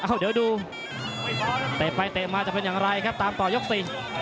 เดี๋ยวดูเตะไปเตะมาจะเป็นอย่างไรครับตามต่อยกสี่